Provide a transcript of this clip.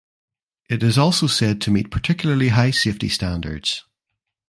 It is also said to meet particularly high safety standards.